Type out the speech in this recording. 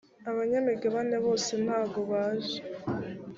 abanyamigabane bose ntagobaje.